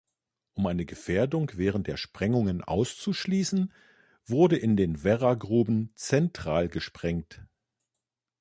Um eine Gefährdung während der Sprengungen auszuschließen, wurde in den Werra-Gruben zentral gesprengt.